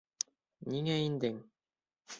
Ниңә индең?